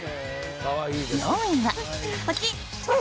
４位は。